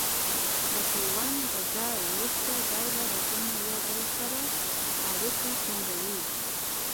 د پیوند د ځای ویښته ډوله رګونه یو له بل سره اړیکه ټینګوي.